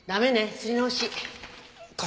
刷り直し。